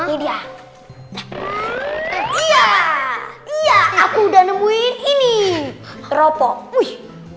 iya aku udah nemuin ini rokok wih